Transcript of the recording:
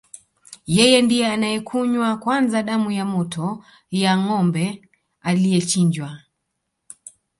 Yeye ndiye anayekunywa kwanza damu ya moto ya ngombe aliyechinjwa